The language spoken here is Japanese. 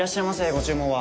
ご注文は？